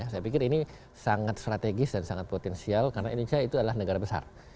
saya pikir ini sangat strategis dan sangat potensial karena indonesia itu adalah negara besar